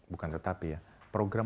bukan tetapi ya program